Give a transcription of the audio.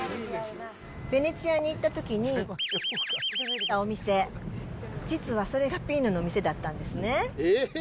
ヴェネツィアに行ったときに、×××のお店、実はそれがピーノの店だったんですね。